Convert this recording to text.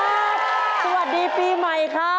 สวัสดีครับสวัสดีปีใหม่ครับ